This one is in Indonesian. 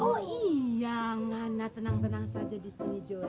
oh iya mana tenang tenang saja di sini joy